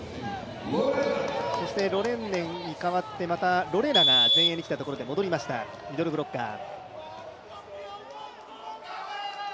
ロレンネに代わって、またロレーナが前衛に来たところで戻りました、ミドルブロッカー。